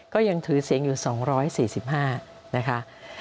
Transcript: ก็ยังถือเสียงอยู่๒๔๕นะคะ